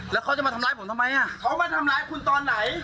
แล้วเขาจะมาทำร้ายผมทำไมอ่ะเขามาทำร้ายคุณตอนไหน